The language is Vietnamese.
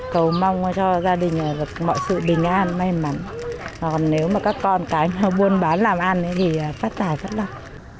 cầu mong cho gia đình mọi sự bình an may mắn còn nếu mà các con cái buôn bán làm ăn thì phát tài rất lâu